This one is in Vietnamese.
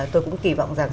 tôi cũng kỳ vọng rằng